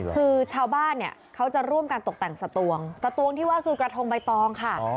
คือชาวบ้านเนี่ยเขาจะร่วมกันตกแต่งสตวงสตวงที่ว่าคือกระทงใบตองค่ะ